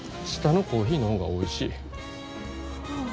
下のコーヒーの方がおいしい。